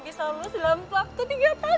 kamu hebat banget sih